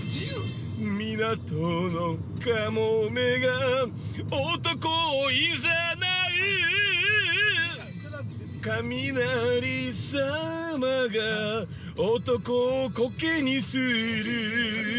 ◆港のカモメが男をいざなうぅ雷様が男をコケにする。